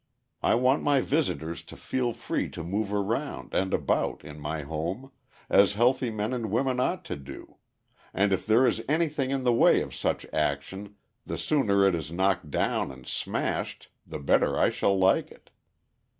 I want my visitors to feel free to move around and about in my home, as healthy men and women ought to do, and if there is anything in the way of such action the sooner it is knocked down and smashed the better I shall like it.